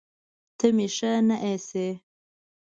ته مې ښه نه ايسې